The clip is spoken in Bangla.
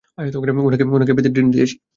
উনাকে প্যাথেড্রিন দিয়েছি!